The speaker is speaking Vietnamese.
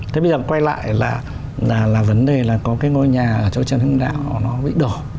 thế bây giờ quay lại là vấn đề là có cái ngôi nhà ở chỗ trần hưng đạo nó bị đổ